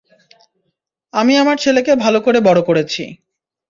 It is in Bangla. আমি আমার ছেলেকে ভালো করে বড় করেছি!